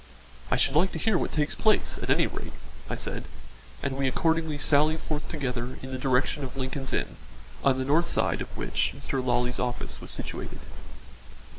"I should like to hear what takes place, at any rate," I said, and we accordingly sallied forth together in the direction of Lincoln's Inn, on the north side of which Mr. Lawley's office was situated.